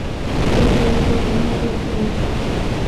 Prefiere suelo húmedo y pleno sol.